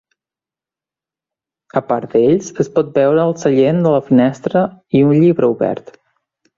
A part d'ells es pot veure al seient de la finestra i un llibre obert.